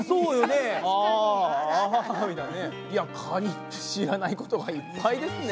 いやカニって知らないことがいっぱいですね。